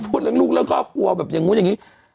พูดเรื่องลูกเรื่องครอบครัวแบบอย่างนู้นอย่างนี้